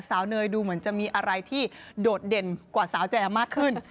เนยดูเหมือนจะมีอะไรที่โดดเด่นกว่าสาวแจมมากขึ้น